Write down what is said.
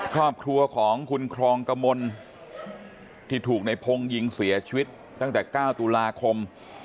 ครอบครัวของคุณครองกมลที่ถูกในพงศ์ยิงเสียชีวิตตั้งแต่๙ตุลาคม